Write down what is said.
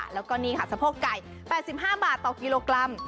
แล้วก็นี่ค่ะสะโพกไก่๘๕บาทต่อกิโลกรัม